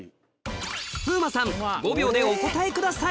風磨さん５秒でお答えください